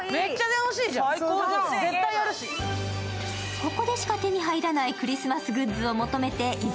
ここでしか手に入らないクリスマスグッズを求めていざ